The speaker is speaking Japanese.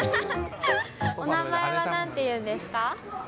お名前は何ていうんですか？